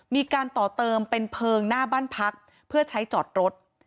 มีการต่อเติมเป็นเพลิงหน้าบ้านพักเพื่อใช้จอดรถ